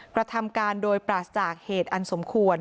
กระทำการโดยปราศจากเหตุอันสมควร